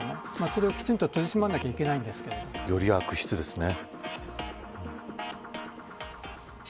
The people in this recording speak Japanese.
それをきちんと取り締まらなきゃいけないんですけどより悪質ですね。